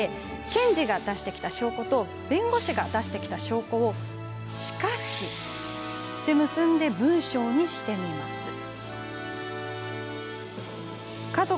検事が出してきた証拠と弁護士が出してきた証拠を「しかし」で結んで文章にしてみます。